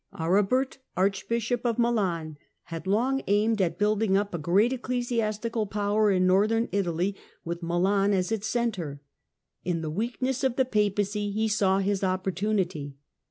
Aribert, Arch bishop of Milan, had long aimed at building up a great ecclesiastical power in northern Italy, with Milan as its centre. In the weakness of the Papacy he saw his opportunity.